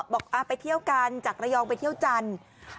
บอกไปเที่ยวกันจากระยองไปเที่ยวจันทร์